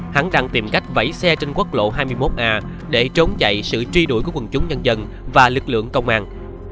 hắn đang tìm cách vẫy xe trên quốc lộ hai mươi một a để trốn chạy sự truy đuổi của quần chúng nhân dân và lực lượng công an